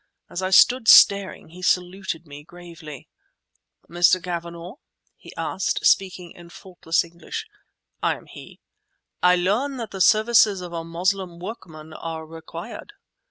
As I stood staring he saluted me gravely. "Mr. Cavanagh?" he asked, speaking in faultless English. "I am he." "I learn that the services of a Moslem workman are required."